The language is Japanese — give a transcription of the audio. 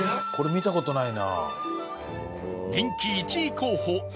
見た事ない。